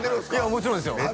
もちろんですよ